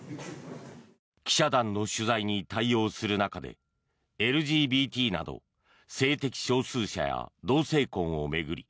記者団の取材に対応する中でＬＧＢＴなど性的少数者や同性婚を巡り